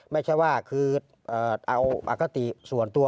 ไม่ใช่ว่าคือเอาอคติส่วนตัว